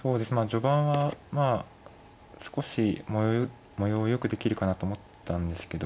序盤はまあ少し模様よくできるかなと思ったんですけど